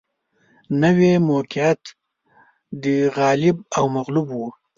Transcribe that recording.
نوي موقعیت د غالب او مغلوب و